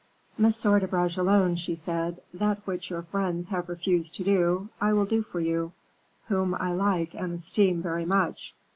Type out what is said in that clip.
"Monsieur de Bragelonne," she said, "that which your friends have refused to do, I will do for you, whom I like and esteem very much.